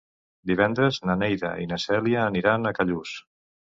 Divendres na Neida i na Cèlia aniran a Callús.